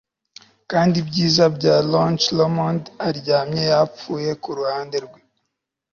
Kandi ibyiza bya LochLomond aryamye yapfuye kuruhande rwe